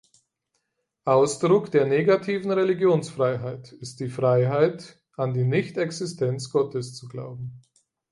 Ausdruck der negativen Religionsfreiheit ist die Freiheit, an die Nichtexistenz Gottes zu glauben.